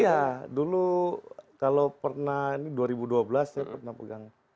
iya dulu kalau pernah ini dua ribu dua belas saya pernah pegang